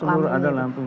ya seluruh ada lampung